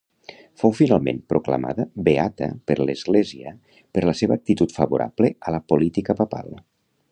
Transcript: Fou finalment proclamada beata per l'Església per la seva actitud favorable a la política papal.